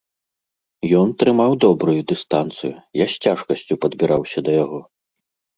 Ён трымаў добрую дыстанцыю, я з цяжкасцю падбіраўся да яго.